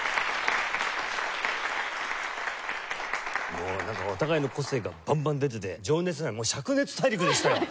もうなんかお互いの個性がバンバン出ていて情熱じゃないもう「灼熱大陸」でしたよ！